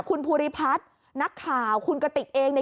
คุณภูริพัฒน์นักข่าวคุณกติกเองเนี่ย